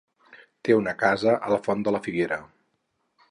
Té una casa a la Font de la Figuera.